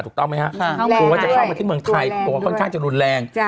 ถูกต้องไหมฮะควรจะเข้ามาที่เมืองไทยตัวค่อนข้างจะรุนแรง